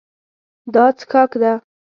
دا څښاک ده.